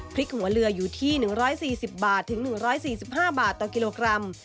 หัวเรืออยู่ที่๑๔๐บาทถึง๑๔๕บาทต่อกิโลกรัม